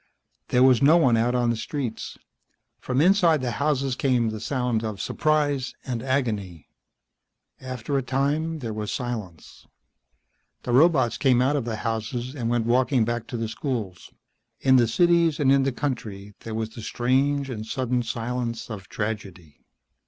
There was no one out on the streets. From inside the houses came the sound of surprise and agony. After a time there was silence. The robots came out of the houses and went walking back to the schools. In the cities and in the country there was the strange and sudden silence of tragedy.